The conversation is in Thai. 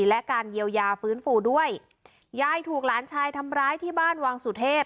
และการเยียวยาฟื้นฟูด้วยยายถูกหลานชายทำร้ายที่บ้านวังสุเทพ